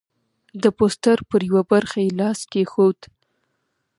د پوسټر پر یوه برخه یې لاس کېښود.